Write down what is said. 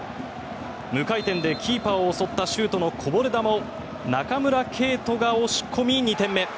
無回転でキーパーを襲ったシュートのこぼれ球を中村敬斗が押し込み２点目。